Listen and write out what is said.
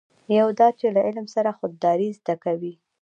یو دا چې له علم سره خودداري زده کوي.